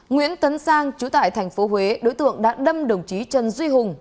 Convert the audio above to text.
nguyễn tấn sang trú tại thành phố huế đối tượng đã đâm đồng chí trần duy hùng